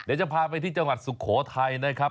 เดี๋ยวจะพาไปที่จังหวัดสุโขทัยนะครับ